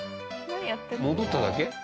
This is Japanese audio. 戻っただけ？